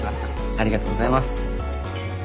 ありがとうございます。